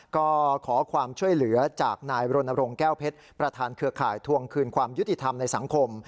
ก็ขอความช่วยเหลือจากนายรณรงค์แก้วเพชรประธานเครือข่ายทวงคืนความยุติธรรมในสังคม